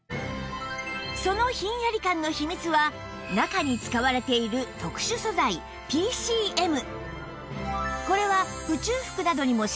そのひんやり感の秘密は中に使われている特殊素材 ＰＣＭ